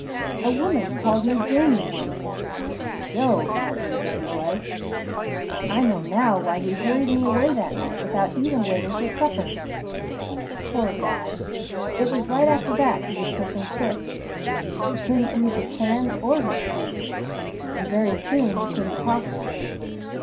A woman called me 'Jamie,' once. Jove! how angry he was! I know now why he hurried me away that night without even waiting for supper. Poor dad! It was right after that he was taken sick. He couldn't use his hands or his feet, and very soon he couldn't talk straight.